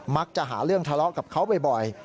มักจะหาเรื่องทะเลาะกับเขาบ่อย